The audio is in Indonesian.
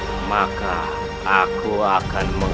dalam sejarah kekuatan ini